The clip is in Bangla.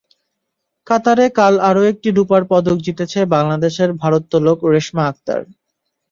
কাতারে কাল আরও একটি রুপার পদক জিতেছে বাংলাদেশের ভারোত্তোলক রেশমা আক্তার।